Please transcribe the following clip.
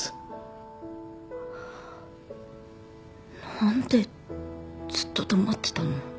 なんでずっと黙ってたの？